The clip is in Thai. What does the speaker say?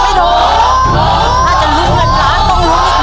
รู้ไม่รู้